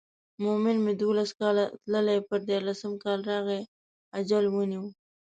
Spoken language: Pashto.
مومن مې دولس کاله تللی پر دیارلسم کال راغی اجل ونیو.